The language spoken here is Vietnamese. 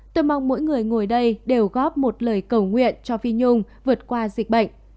tôi mong mỗi người ngồi đây đều góp một lời cầu nguyện cho vi nhung vượt qua dịch bệnh